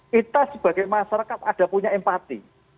kita sebagai masyarakat ada punya empati